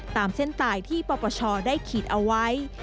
ตามเส้นตายที่ปปชได้ขีดเอาไว้